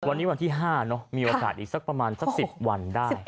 วันนี้วันที่๕เนอะมีโอกาสอีกสักประมาณสัก๑๐วันได้